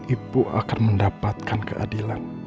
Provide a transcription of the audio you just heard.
ibu akan mendapatkan keadilan